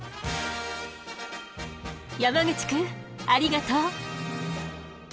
山口くんありがとう。